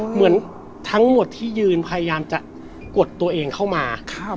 เหมือนทั้งหมดที่ยืนพยายามจะกดตัวเองเข้ามา